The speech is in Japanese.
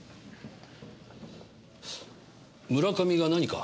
村上が何か？